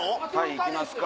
行きますか？